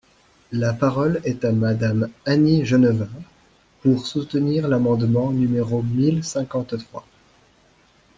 La parole est à Madame Annie Genevard, pour soutenir l’amendement numéro mille cinquante-trois.